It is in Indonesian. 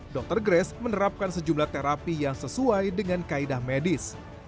dr grace menerapkan sejumlah terapi yang sesuai dengan kaedah medis